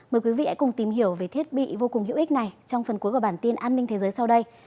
mời quý vị hãy cùng tìm hiểu về thiết bị vô cùng hữu ích này trong phần cuối của bản tin an ninh thế giới sau đây